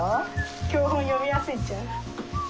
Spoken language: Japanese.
教本読みやすいんちゃう。